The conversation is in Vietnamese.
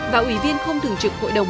và ủy viên không thường trực hội đồng